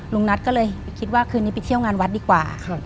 ลุงนัทก็เลยไปคิดว่าคืนนี้ไปเที่ยวงานวัดดีกว่า